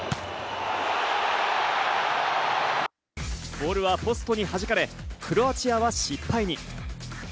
ボールはポストにはじかれ、クロアチアは失敗に。